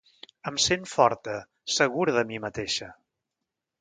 Em sent forta, segura de mi mateixa.